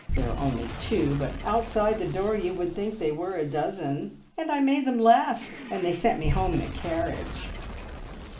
There are only two, but outside the door you would think they were a dozen, and I made them laugh, and they sent me home in a carriage."